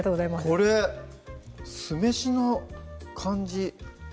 これ酢飯の感じ